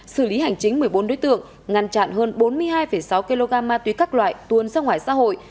xử lý hành chính một mươi bốn đối tượng ngăn chặn hơn bốn mươi hai sáu kg ma túy các loại tuôn ra ngoài xã hội